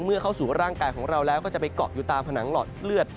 เข้าสู่ร่างกายของเราแล้วก็จะไปเกาะอยู่ตามผนังหลอดเลือด